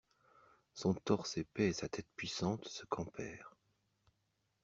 Son torse épais et sa tête puissante se campèrent.